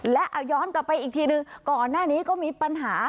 และเอาย้อนกลับไปอีกทีหนึ่งก่อนหน้านี้ก็มีปัญหา